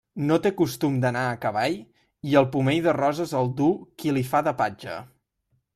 No té costum d'anar a cavall i el pomell de roses el duu qui li fa de patge.